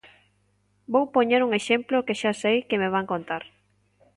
Vou poñer un exemplo que xa sei que me van contar.